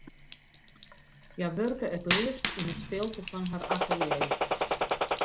Hja wurke it leafst yn 'e stilte fan har atelier.